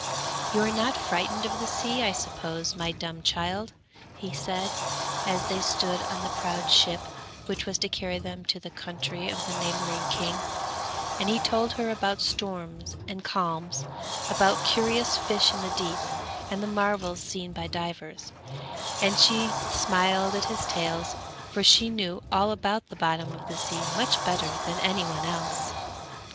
'You are not frightened of the sea, I suppose, my dumb child?' he said, as they stood on the proud ship which was to carry them to the country of the neighbouring king; and he told her about storms and calms, about curious fish in the deep, and the marvels seen by divers; and she smiled at his tales, for she knew all about the bottom of the sea much better than any one else.